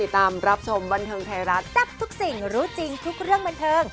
รับชมบันเทิงไทยรัฐจับทุกสิ่งรู้จริงทุกเรื่องบันเทิง